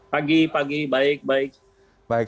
pagi pagi baik baik